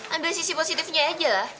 ambil sisi positifnya aja lah